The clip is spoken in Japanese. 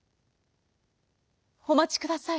「おまちください。